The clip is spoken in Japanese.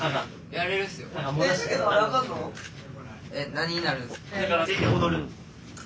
何になるんすか？